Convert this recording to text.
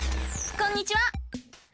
こんにちは！